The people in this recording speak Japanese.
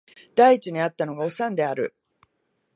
第一に逢ったのがおさんである